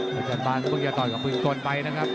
อาจารย์บานเตือนกับปุนกลไปนะครับ